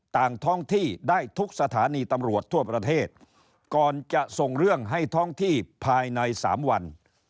ท้องที่ได้ทุกสถานีตำรวจทั่วประเทศก่อนจะส่งเรื่องให้ท้องที่ภายในสามวัน